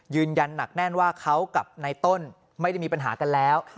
ยืนยันหนักแน่นว่าเขากับในต้นไม่ได้มีปัญหากันแล้ว